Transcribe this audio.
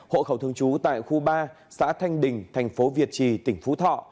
hộ khẩu thường trú tại khu ba xã thanh đình thành phố việt trì tỉnh phú thọ